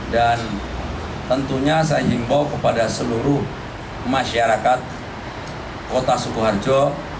dan tentunya saya himbaw kepada seluruh masyarakat kota sukoharjo